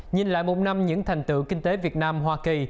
nhìn lại một năm những thành tựu kinh tế việt nam hoa kỳ